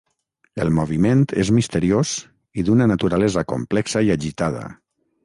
El moviment és misteriós i d'una naturalesa complexa i agitada.